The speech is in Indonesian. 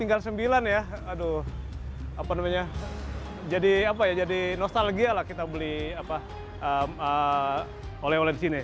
tinggal sembilan ya aduh apa namanya jadi apa ya jadi nostalgia lah kita beli oleh oleh di sini